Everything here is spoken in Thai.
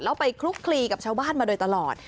แล้วไปคลุกคลีกับชาวบ้านมาโดยตลอด